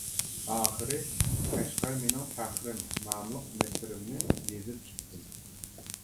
ئاخىرى قەشقەر مېنىڭ پەخرىم ناملىق نەسرىمنى يېزىپ چىقتىم.